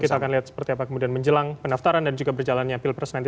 kita akan lihat seperti apa kemudian menjelang pendaftaran dan juga berjalannya pilpres nanti